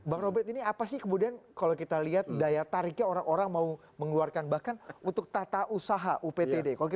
bang robert ini apa sih kemudian kalau kita lihat daya tariknya orang orang mau mengeluarkan bahkan untuk tata usaha uptd